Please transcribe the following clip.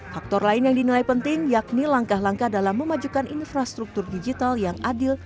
faktor lain yang dinilai penting yakni langkah langkah dalam memajukan infrastruktur digital yang adil